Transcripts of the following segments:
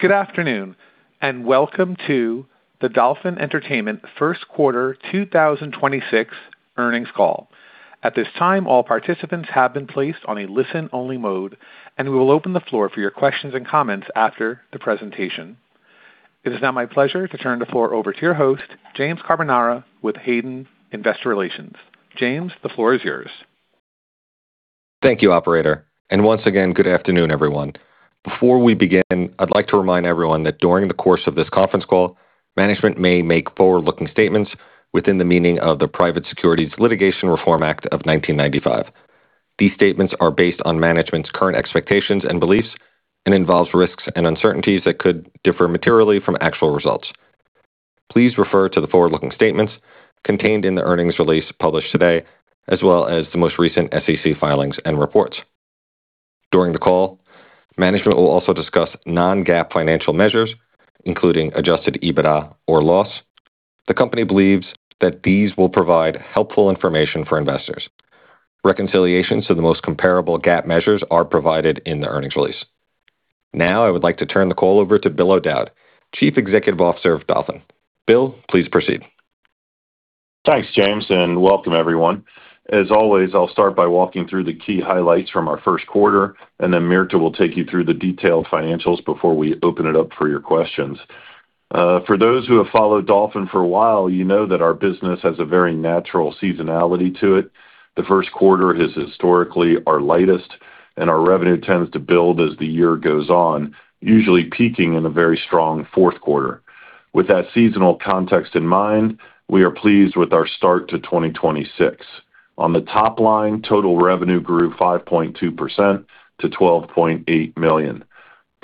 Good afternoon, and welcome to the Dolphin Entertainment First Quarter 2026 earnings call. At this time, all participants have been placed on a listen-only mode, and we will open the floor for your questions and comments after the presentation. It is now my pleasure to turn the floor over to your host, James Carbonara with Hayden Investor Relations. James, the floor is yours. Thank you, operator, and once again, good afternoon, everyone. Before we begin, I'd like to remind everyone that during the course of this conference call, management may make forward-looking statements within the meaning of the Private Securities Litigation Reform Act of 1995. These statements are based on management's current expectations and beliefs and involves risks and uncertainties that could differ materially from actual results. Please refer to the forward-looking statements contained in the earnings release published today, as well as the most recent SEC filings and reports. During the call, management will also discuss non-GAAP financial measures, including adjusted EBITDA or loss. The company believes that these will provide helpful information for investors. Reconciliations to the most comparable GAAP measures are provided in the earnings release. Now, I would like to turn the call over to Bill O'Dowd, Chief Executive Officer of Dolphin. Bill, please proceed. Thanks, James, and welcome everyone. As always, I'll start by walking through the key highlights from our first quarter, and then Mirta will take you through the detailed financials before we open it up for your questions. For those who have followed Dolphin Entertainment for a while, you know that our business has a very natural seasonality to it. The first quarter is historically our lightest, and our revenue tends to build as the year goes on, usually peaking in a very strong fourth quarter. With that seasonal context in mind, we are pleased with our start to 2026. On the top line, total revenue grew 5.2% to $12.8 million.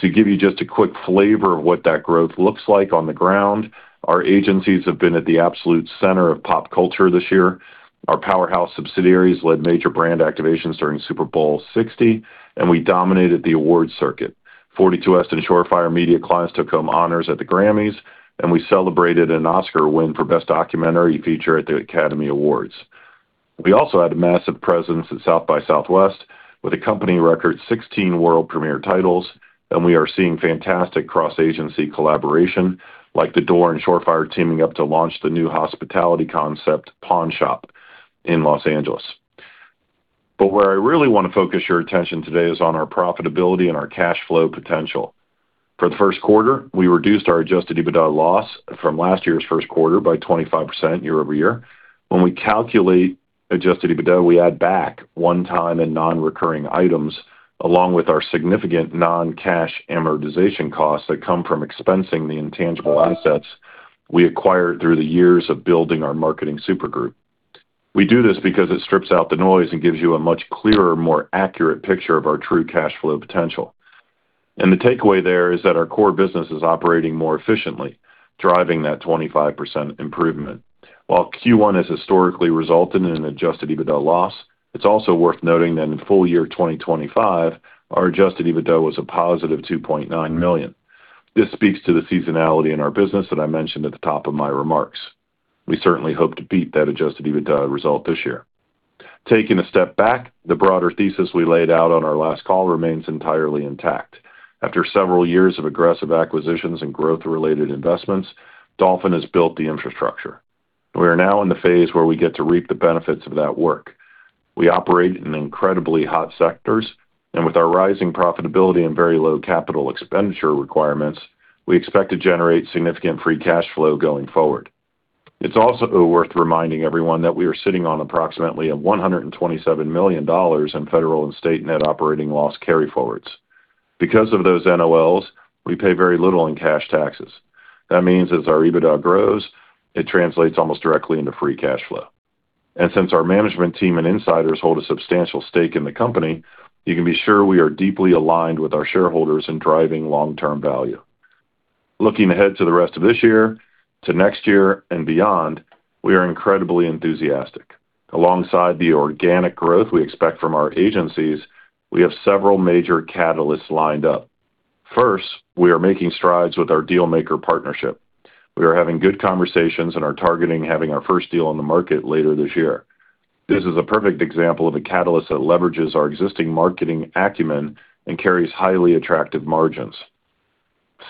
To give you just a quick flavor of what that growth looks like on the ground, our agencies have been at the absolute center of pop culture this year. Our powerhouse subsidiaries led major brand activations during Super Bowl LX, and we dominated the awards circuit. 42West and Shore Fire Media clients took home honors at the Grammys, and we celebrated an Oscar win for Best Documentary Feature at the Academy Awards. We also had a massive presence at South by Southwest with a company record 16 world premiere titles, and we are seeing fantastic cross-agency collaboration like The Door and Shore Fire teaming up to launch the new hospitality concept, Pawn Shop, in Los Angeles. Where I really want to focus your attention today is on our profitability and our cash flow potential. For the first quarter, we reduced our adjusted EBITDA loss from last year's first quarter by 25% year-over-year. When we calculate adjusted EBITDA, we add back one-time and non-recurring items, along with our significant non-cash amortization costs that come from expensing the intangible assets we acquired through the years of building our marketing supergroup. We do this because it strips out the noise and gives you a much clearer, more accurate picture of our true cash flow potential. The takeaway there is that our core business is operating more efficiently, driving that 25% improvement. While Q1 has historically resulted in an adjusted EBITDA loss, it's also worth noting that in full year 2025, our adjusted EBITDA was a positive $2.9 million. This speaks to the seasonality in our business that I mentioned at the top of my remarks. We certainly hope to beat that adjusted EBITDA result this year. Taking a step back, the broader thesis we laid out on our last call remains entirely intact. After several years of aggressive acquisitions and growth-related investments, Dolphin has built the infrastructure. We are now in the phase where we get to reap the benefits of that work. We operate in incredibly hot sectors, and with our rising profitability and very low capital expenditure requirements, we expect to generate significant free cash flow going forward. It's also worth reminding everyone that we are sitting on approximately $127 million in federal and state Net Operating Loss carryforwards. Because of those NOLs, we pay very little in cash taxes. That means as our EBITDA grows, it translates almost directly into free cash flow. Since our management team and insiders hold a substantial stake in the company, you can be sure we are deeply aligned with our shareholders in driving long-term value. Looking ahead to the rest of this year, to next year and beyond, we are incredibly enthusiastic. Alongside the organic growth we expect from our agencies, we have several major catalysts lined up. First, we are making strides with our DealMaker partnership. We are having good conversations and are targeting having our first deal on the market later this year. This is a perfect example of a catalyst that leverages our existing marketing acumen and carries highly attractive margins.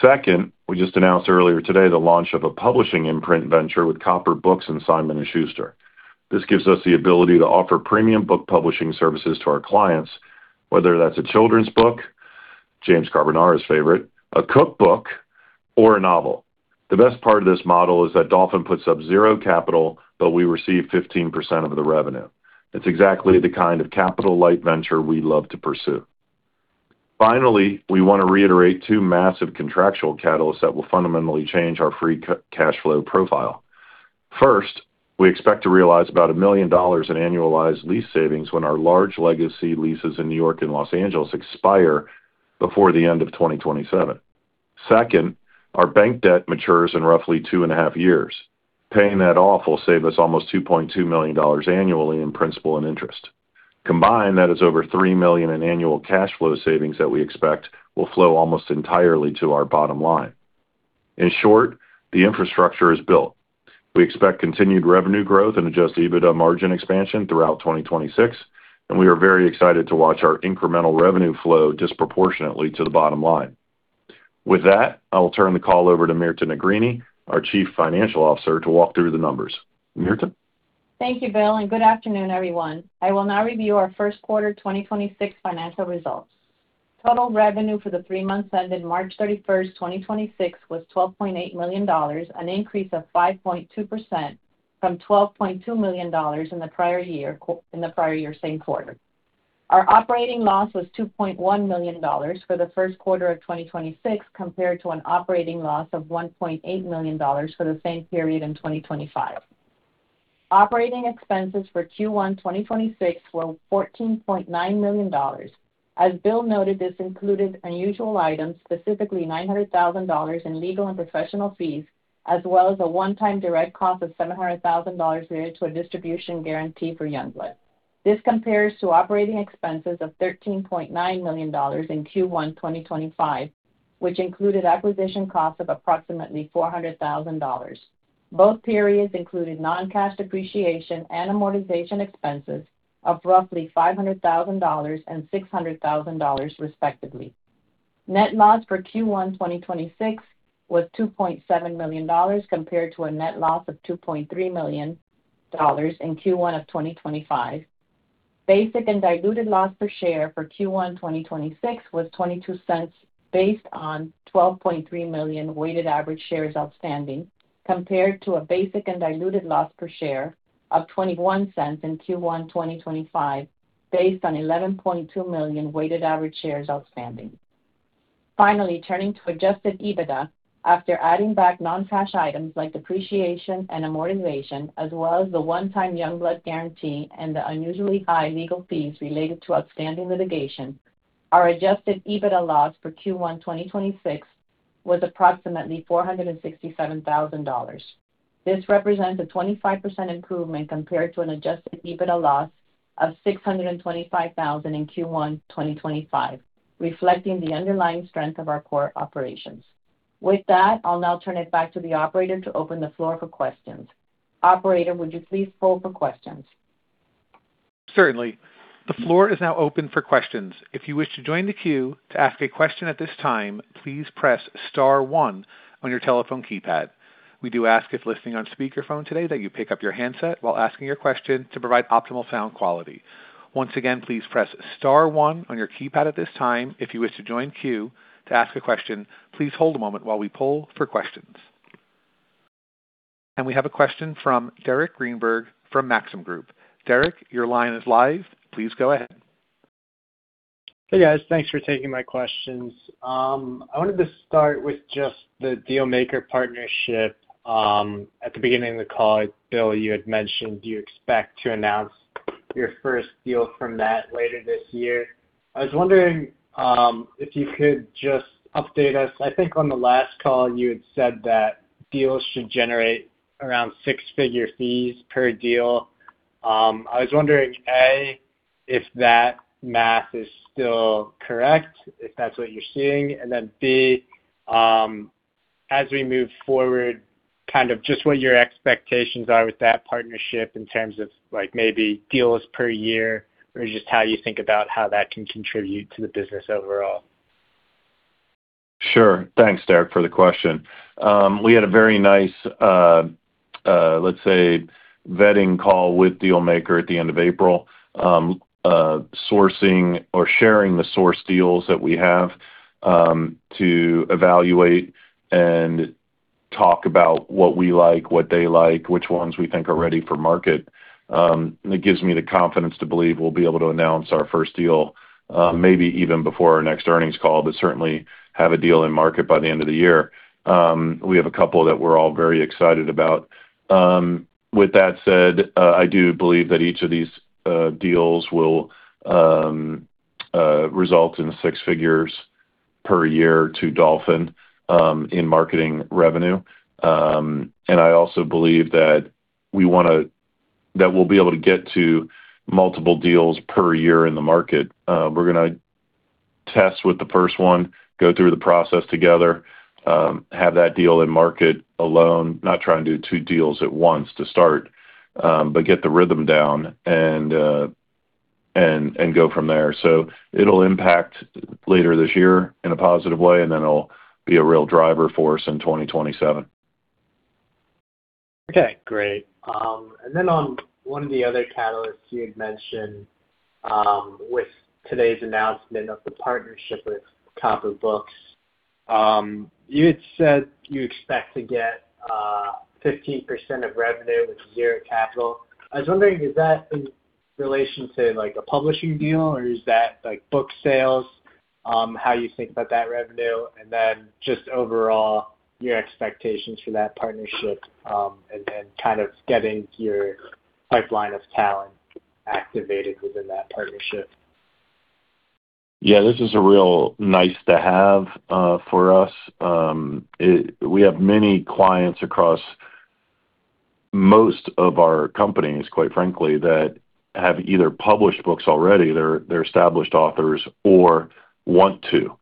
Second, we just announced earlier today the launch of a publishing imprint venture with Copper Books and Simon & Schuster. This gives us the ability to offer premium book publishing services to our clients, whether that's a children's book, James Carbonara's favorite, a cookbook, or a novel. The best part of this model is that Dolphin puts up 0 capital, but we receive 15% of the revenue. It's exactly the kind of capital-light venture we love to pursue. Finally, we want to reiterate two massive contractual catalysts that will fundamentally change our free cash flow profile. First, we expect to realize about $1 million in annualized lease savings when our large legacy leases in New York and Los Angeles expire before the end of 2027. Second, our bank debt matures in roughly two and a half years. Paying that off will save us almost $2.2 million annually in principal and interest. Combined, that is over $3 million in annual cash flow savings that we expect will flow almost entirely to our bottom line. In short, the infrastructure is built. We expect continued revenue growth and adjusted EBITDA margin expansion throughout 2026, and we are very excited to watch our incremental revenue flow disproportionately to the bottom line. With that, I will turn the call over to Mirta Negrini, our Chief Financial Officer, to walk through the numbers. Mirta? Thank you, Bill, and good afternoon, everyone. I will now review our first quarter 2026 financial results. Total revenue for the three months ended March 31st, 2026 was $12.8 million, an increase of 5.2% from $12.2 million in the prior year same quarter. Our operating loss was $2.1 million for the first quarter of 2026 compared to an operating loss of $1.8 million for the same period in 2025. Operating expenses for Q1 2026 were $14.9 million. As Bill noted, this included unusual items, specifically $900,000 in legal and professional fees, as well as a one-time direct cost of $700,000 related to a distribution guarantee for Youngblood. This compares to operating expenses of $13.9 million in Q1 2025, which included acquisition costs of approximately $400,000. Both periods included non-cash depreciation and amortization expenses of roughly $500,000 and $600,000, respectively. Net loss for Q1 2026 was $2.7 million compared to a net loss of $2.3 million in Q1 of 2025. Basic and diluted loss per share for Q1 2026 was $0.22 based on 12.3 million weighted average shares outstanding, compared to a basic and diluted loss per share of $0.21 in Q1 2025 based on 11.2 million weighted average shares outstanding. Finally, turning to adjusted EBITDA. After adding back non-cash items like depreciation and amortization, as well as the one-time Youngblood guarantee and the unusually high legal fees related to outstanding litigation, our adjusted EBITDA loss for Q1 2026 was approximately $467,000. This represents a 25% improvement compared to an adjusted EBITDA loss of $625,000 in Q1 2025, reflecting the underlying strength of our core operations. With that, I'll now turn it back to the operator to open the floor for questions. Operator, would you please poll for questions? Certainly. The floor is now open for questions. If you wish to join the queue to ask a question at this time, please press star one on your telephone keypad. We do ask, if listening on speakerphone today, that you pick up your handset while asking your question to provide optimal sound quality. Once again, please press star one on your keypad at this time if you wish to join queue to ask a question. Please hold a moment while we poll for questions. We have a question from Derek Greenberg from Maxim Group. Derek, your line is live. Please go ahead. Hey, guys. Thanks for taking my questions. I wanted to start with just the DealMaker partnership. At the beginning of the call, Bill, you had mentioned you expect to announce your first deal from that later this year. I was wondering if you could just update us. I think on the last call, you had said that deals should generate around 6-figure fees per deal. I was wondering, A, if that math is still correct, if that's what you're seeing. Then, B, as we move forward, kind of just what your expectations are with that partnership in terms of like maybe deals per year or just how you think about how that can contribute to the business overall. Sure. Thanks, Derek, for the question. We had a very nice, let's say vetting call with DealMaker at the end of April, sourcing or sharing the source deals that we have, to evaluate and talk about what we like, what they like, which ones we think are ready for market. It gives me the confidence to believe we'll be able to announce our first deal, maybe even before our next earnings call, but certainly have a deal in market by the end of the year. We have a couple that we're all very excited about. With that said, I do believe that each of these deals will result in 6 figures per year to Dolphin in marketing revenue. I also believe that we'll be able to get to multiple deals per year in the market. We're gonna test with the first one, go through the process together, have that deal in market alone, not try and do two deals at once to start, but get the rhythm down and go from there. It'll impact later this year in a positive way, then it'll be a real driver for us in 2027. Okay, great. Then on one of the other catalysts you had mentioned, with today's announcement of the partnership with Copper Books, you had said you expect to get 15% of revenue with 0 capital. I was wondering, is that in relation to, like, a publishing deal, or is that, like, book sales, how you think about that revenue? Just overall, your expectations for that partnership, and then kind of getting your pipeline of talent activated within that partnership. Yeah. This is a real nice to have for us. We have many clients across most of our companies, quite frankly, that have either published books already, they're established authors or want to.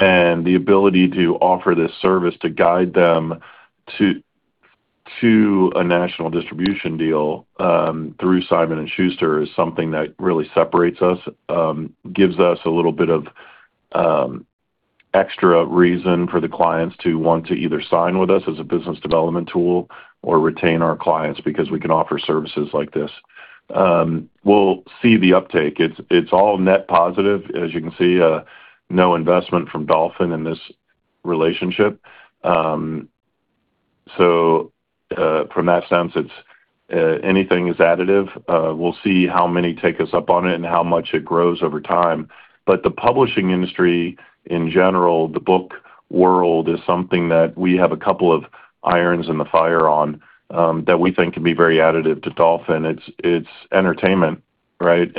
The ability to offer this service to guide them to a national distribution deal through Simon & Schuster is something that really separates us, gives us a little bit of extra reason for the clients to want to either sign with us as a business development tool or retain our clients because we can offer services like this. We'll see the uptake. It's all net positive, as you can see, no investment from Dolphin in this relationship. From that sense, it's anything is additive. We'll see how many take us up on it and how much it grows over time. The publishing industry in general, the book world, is something that we have a couple of irons in the fire on that we think can be very additive to Dolphin. It's entertainment, right?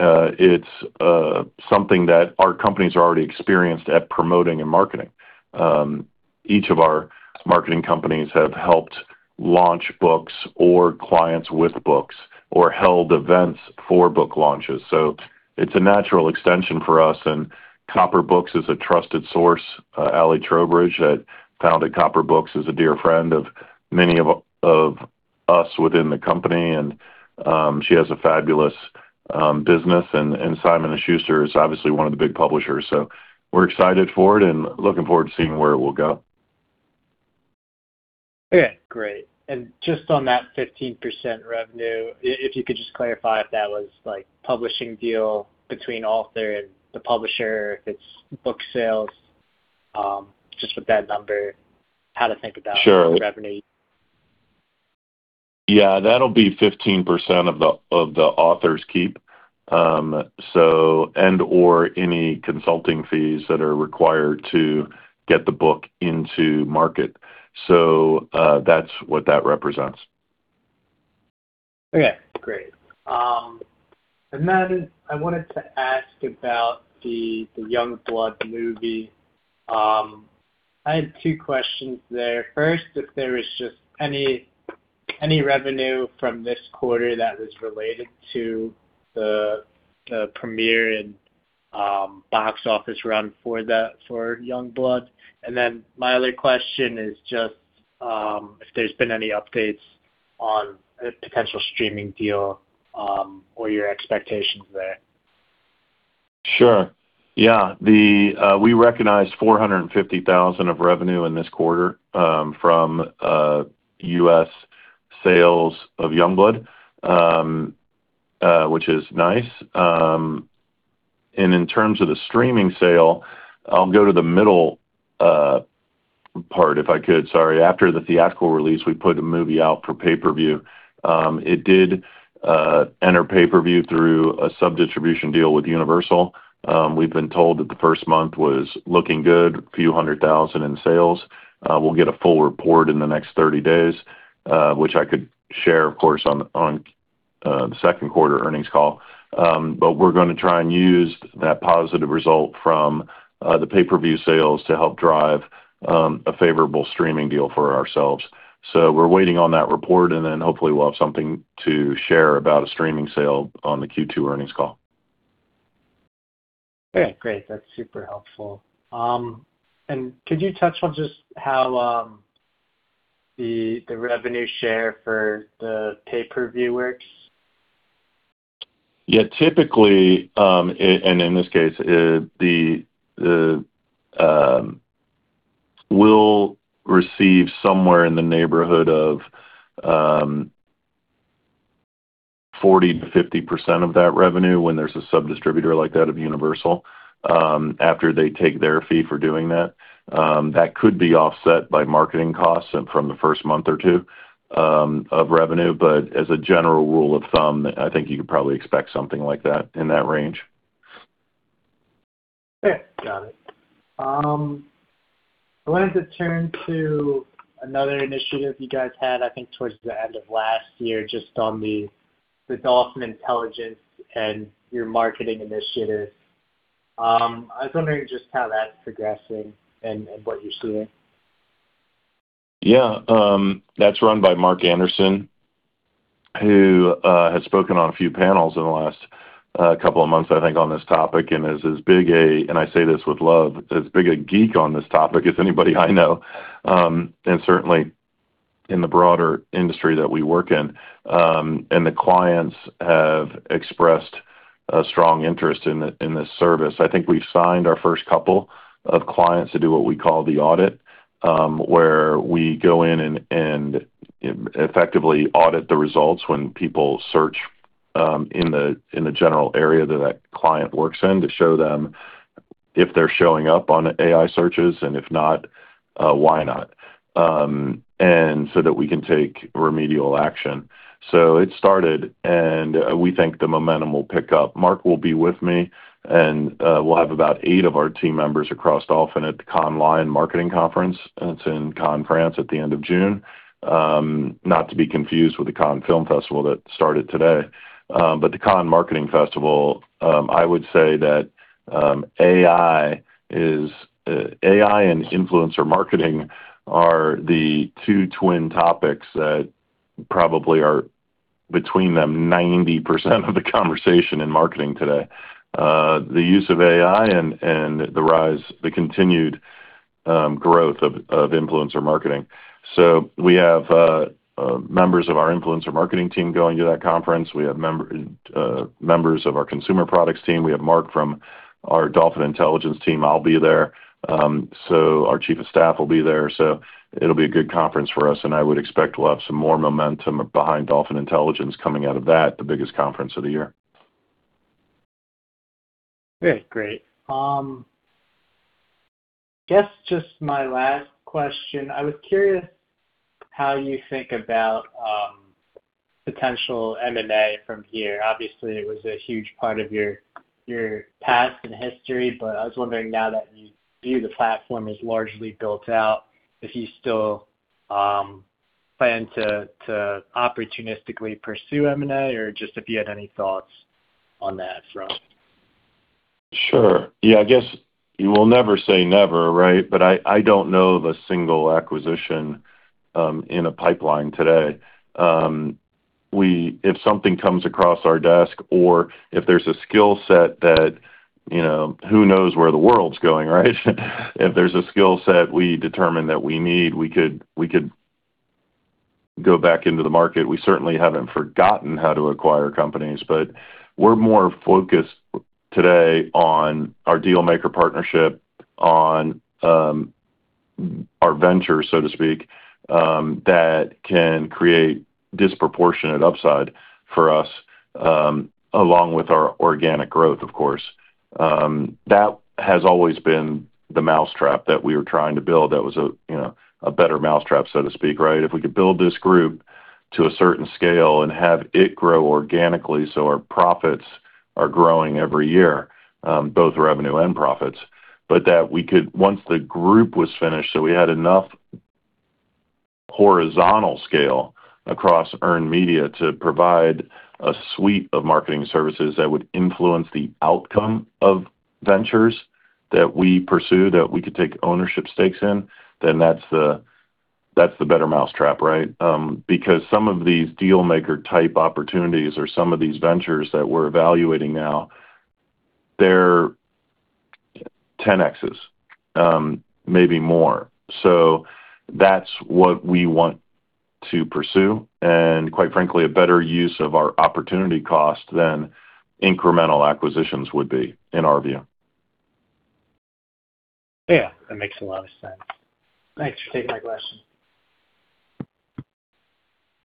It's something that our companies are already experienced at promoting and marketing. Each of our marketing companies have helped launch books or clients with books or held events for book launches. It's a natural extension for us, and Copper Books is a trusted source. Allison Trowbridge that founded Copper Books is a dear friend of many of us within the company. She has a fabulous business, and Simon & Schuster is obviously one of the big publishers. We're excited for it and looking forward to seeing where it will go. Okay, great. Just on that 15% revenue, if you could just clarify if that was like publishing deal between author and the publisher, if it's book sales, just with that number? Sure. How to think about revenue. Yeah. That'll be 15% of the author's keep. Any consulting fees that are required to get the book into market. That's what that represents. Okay, great. I wanted to ask about the Youngblood movie. I had two questions there. First, if there is just any revenue from this quarter that was related to the premiere and box office run for Youngblood. My other question is just if there's been any updates on a potential streaming deal or your expectations there. Sure. Yeah. The, we recognized $450,000 of revenue in this quarter, from U.S. sales of Youngblood, which is nice. In terms of the streaming sale, I'll go to the middle part, if I could. Sorry. After the theatrical release, we put a movie out for pay-per-view. It did enter pay-per-view through a sub-distribution deal with Universal. We've been told that the first month was looking good, a few hundred thousand in sales. We'll get a full report in the next 30 days, which I could share, of course, on the second quarter earnings call. We're gonna try and use that positive result from the pay-per-view sales to help drive a favorable streaming deal for ourselves. We're waiting on that report, and then hopefully we'll have something to share about a streaming sale on the Q2 earnings call. Okay, great. That's super helpful. Could you touch on just how the revenue share for the pay-per-view works? Typically, in this case, we'll receive somewhere in the neighborhood of 40%-50% of that revenue when there's a sub-distributor like that of Universal Pictures, after they take their fee for doing that. That could be offset by marketing costs and from the first month or two of revenue. As a general rule of thumb, I think you could probably expect something like that in that range. Okay. Got it. I wanted to turn to another initiative you guys had, I think towards the end of last year, just on the Dolphin Intelligence and your marketing initiatives. I was wondering just how that's progressing and what you're seeing. Yeah. That is run by Mark Anderson, who has spoken on a few panels in the last two months, I think, on this topic and is as big a, and I say this with love, as big a geek on this topic as anybody I know, and certainly in the broader industry that we work in. The clients have expressed a strong interest in this service. I think we have signed our first two clients to do what we call the audit, where we go in and effectively audit the results when people search in the general area that that client works in to show them if they are showing up on AI searches, and if not, why not? So that we can take remedial action. It started, and we think the momentum will pick up. Mark will be with me, and we'll have about eight of our team members across Dolphin Entertainment at the Cannes Lions International Festival of Creativity. It's in Cannes, France, at the end of June. Not to be confused with the Cannes Film Festival that started today. But the Cannes Lions International Festival of Creativity, I would say that AI is AI and influencer marketing are the two twin topics that probably are between them, 90% of the conversation in marketing today. The use of AI and the continued growth of influencer marketing. We have members of our influencer marketing team going to that conference. We have members of our consumer products team. We have Mark from our Dolphin Intelligence team. I'll be there. Our chief of staff will be there. It'll be a good conference for us, and I would expect we'll have some more momentum behind Dolphin Intelligence coming out of that, the biggest conference of the year. Great. Guess just my last question. I was curious how you think about potential M&A from here. Obviously, it was a huge part of your past and history, but I was wondering now that you view the platform as largely built out, if you still plan to opportunistically pursue M&A or just if you had any thoughts on that front. Sure. Yeah, I guess you will never say never, right? I don't know of a single acquisition in a pipeline today. If something comes across our desk or if there's a skill set that, you know, who knows where the world's going, right? If there's a skill set we determine that we need, we could go back into the market. We certainly haven't forgotten how to acquire companies, but we're more focused today on our DealMaker partnership, on our venture, so to speak, that can create disproportionate upside for us along with our organic growth, of course. That has always been the mousetrap that we were trying to build that was a, you know, a better mousetrap, so to speak, right? If we could build this group to a certain scale and have it grow organically so our profits are growing every year, both revenue and profits, but that we could once the group was finished, so we had enough horizontal scale across earned media to provide a suite of marketing services that would influence the outcome of ventures that we pursue, that we could take ownership stakes in, then that's the, that's the better mousetrap, right? Some of these DealMaker type opportunities or some of these ventures that we're evaluating now, they're 10 X's, maybe more. That's what we want to pursue, and quite frankly, a better use of our opportunity cost than incremental acquisitions would be, in our view. Yeah, that makes a lot of sense. Thanks for taking my question.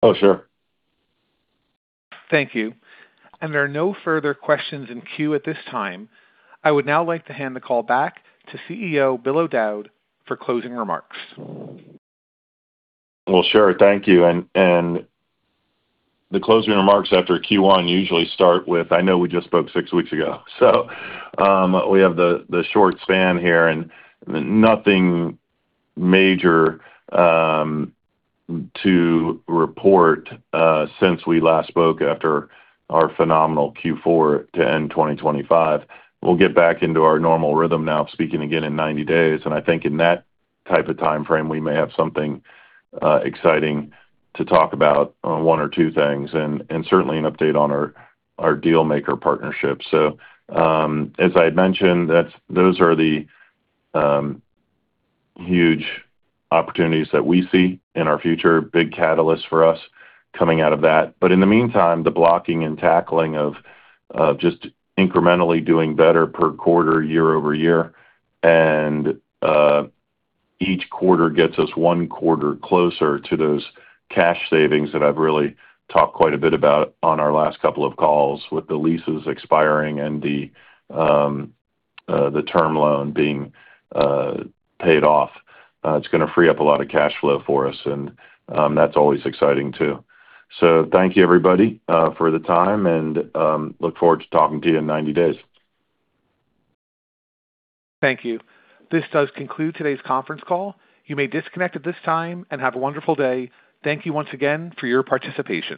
Oh, sure. Thank you. There are no further questions in queue at this time. I would now like to hand the call back to CEO Bill O'Dowd for closing remarks. Well, sure. Thank you. The closing remarks after Q1 usually start with, I know we just spoke six weeks ago. We have the short span here and nothing major to report since we last spoke after our phenomenal Q4 to end 2025. We'll get back into our normal rhythm now of speaking again in 90 days. I think in that type of timeframe, we may have something exciting to talk about, one or two things, and certainly an update on our DealMaker partnership. As I had mentioned, those are the huge opportunities that we see in our future, big catalyst for us coming out of that. In the meantime, the blocking and tackling of just incrementally doing better per quarter, year-over-year, and each quarter gets us one quarter closer to those cash savings that I've really talked quite a bit about on our last couple of calls with the leases expiring and the term loan being paid off. It's gonna free up a lot of cash flow for us, and that's always exciting too. Thank you, everybody, for the time, and look forward to talking to you in 90 days. Thank you. This does conclude today's conference call. You may disconnect at this time. Have a wonderful day. Thank you once again for your participation.